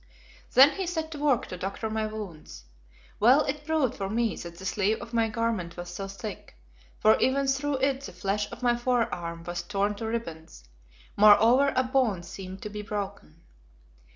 Then he set to work to doctor my wounds. Well it proved for me that the sleeve of my garment was so thick, for even through it the flesh of my forearm was torn to ribbons, moreover a bone seemed to be broken.